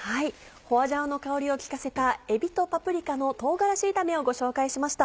花椒の香りを利かせた「えびとパプリカの唐辛子炒め」をご紹介しました。